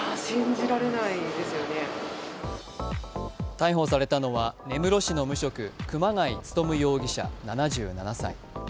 逮捕されたのは根室市の無職熊谷勉容疑者７７歳。